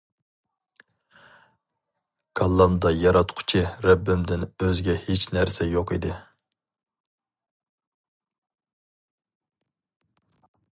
كاللامدا ياراتقۇچى رەببىمدىن ئۆزگە ھېچ نەرسە يوق ئىدى.